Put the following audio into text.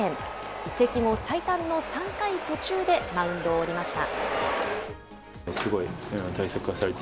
移籍後最短の３回途中でマウンドを降りました。